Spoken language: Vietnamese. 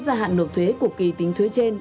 gia hạn nộp thuế của kỳ tính thuế trên